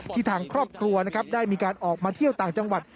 ที่ทางครอบครัวได้มีการออกมาเที่ยวต่างจังหวัด